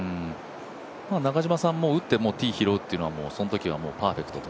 中嶋さんも、打ってティーを拾うというのは、そのときはパーフェクトだと。